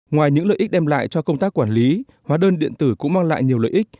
ngoài những lợi ích đem lại cho công tác quản lý hóa đơn điện tử cũng mang lại nhiều lợi ích